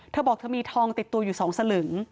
เธอบอกเธอมีทองติดตัวอยู่๒สลึง